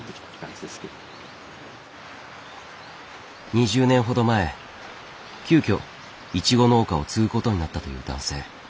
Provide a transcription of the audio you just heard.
２０年ほど前急きょイチゴ農家を継ぐことになったという男性。